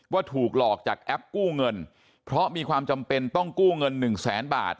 ถูกหลอกจากแอปกู้เงินเพราะมีความจำเป็นต้องกู้เงินหนึ่งแสนบาท